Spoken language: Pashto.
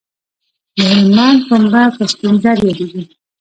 د هلمند پنبه په سپین زر یادیږي